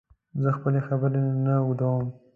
زه خپلي خبري نه اوږدوم